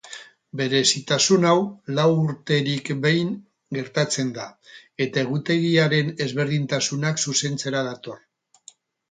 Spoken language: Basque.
Berezitasun hau lau urterik behin gertatzen da, eta egutegiaren ezberdintasunak zuzentzera dator.